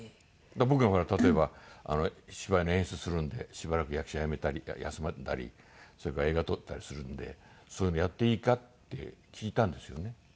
僕がほら例えば芝居の演出するんでしばらく役者を辞めたり休んだりそれから映画を撮ったりするんでそういうのをやっていいかって聞いたんですよね。